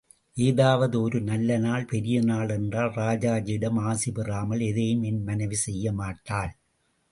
ஏதாவது ஒரு நல்லநாள் பெரியநாள் என்றால் ராஜாஜியிடம் ஆசி பெறாமல் எதையும் என் மனைவி செய்ய மாட்டாள்.